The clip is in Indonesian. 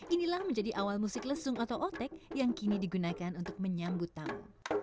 inilah menjadi awal musik lesung atau otek yang kini digunakan untuk menyambut tamu